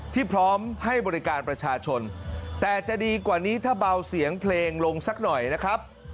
พร้อมให้บริการประชาชนแต่จะดีกว่านี้ถ้าเบาเสียงเพลงลงสักหน่อยนะครับ